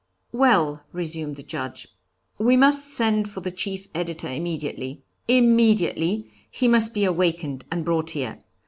'Well,' resumed the Judge, 'we must send for the chief editor immediately immediately, he must be awakened and brought here.